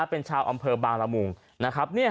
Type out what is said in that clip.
เป็นชาวอำเภอบางละมุงนะครับ